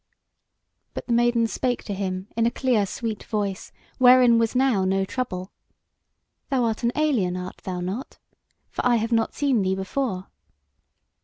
But the maiden spake to him in a clear sweet voice, wherein was now no trouble: "Thou art an alien, art thou not? For I have not seen thee before."